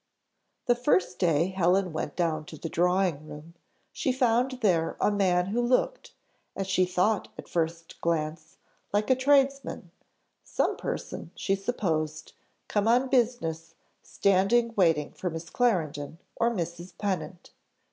The first day Helen went down to the drawing room, she found there a man who looked, as she thought at first glance, like a tradesman some person, she supposed, come on business, standing waiting for Miss Clarendon, or Mrs. Pennant.